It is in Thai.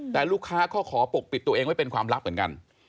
แต่ลูกค้าก็ขอปกปิดตัวเองไว้เป็นความลับเหมือนกัน